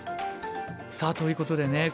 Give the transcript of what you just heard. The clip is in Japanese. さあということでね